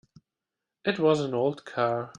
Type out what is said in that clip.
It was an old car.